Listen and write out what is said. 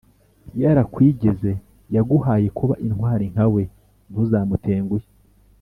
yarakwigeze: yaguhaye kuba intwari nka we ntuzamutenguhe